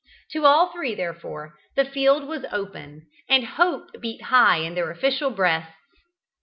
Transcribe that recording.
To all three, therefore, the field was open, and hope beat high in their official breasts.